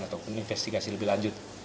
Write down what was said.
atau penyelidikan lebih lanjut